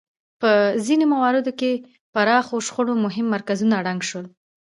په ځینو مواردو کې پراخو شخړو مهم مرکزونه ړنګ شول.